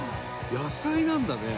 「野菜なんだね」